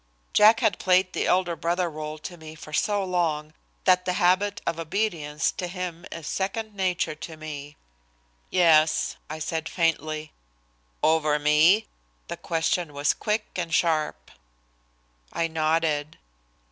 Jack has played the elder brother role to me for so long that the habit of obedience to him is second nature to me. "Yes," I said faintly. "Over me?" The question was quick and sharp. I nodded.